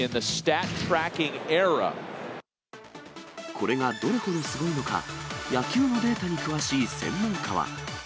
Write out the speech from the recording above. これがどれほどすごいのか、野球のデータに詳しい専門家は。